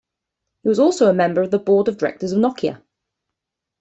He was also a member of the board of directors of Nokia.